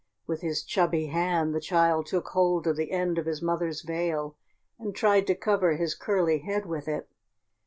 With his chubby hand the child took hold of the end of his mother's veil and tried to cover his curly head with it.